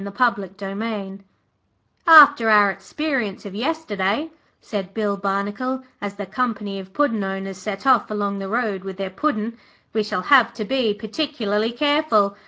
Third Slice 'After our experience of yesterday,' said Bill Barnacle as the company of Puddin' owners set off along the road with their Puddin', 'we shall have to be particularly careful.